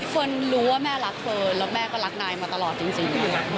เฟิร์นรู้ว่าแม่รักเฟิร์นแล้วแม่ก็รักนายมาตลอดจริง